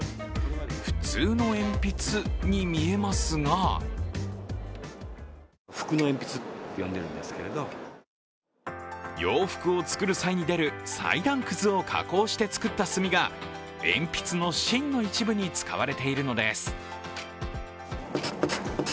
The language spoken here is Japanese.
普通の鉛筆に見えますが洋服を作る際に出る裁断くずを加工して作った炭が鉛筆の芯の一部に使われているのです。